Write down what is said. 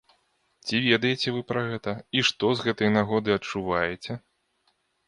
Ці ведаеце вы пра гэта і што з гэтай нагоды адчуваеце?